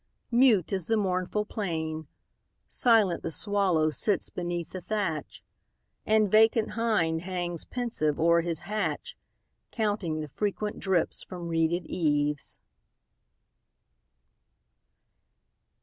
Mute is the mournful plain; Silent the swallow sits beneath the thatch, And vacant hind hangs pensive o'er his hatch, Counting the frequent drips from reeded eaves.